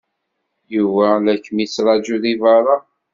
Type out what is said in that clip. Yuba la kem-yettṛaju deg beṛṛa.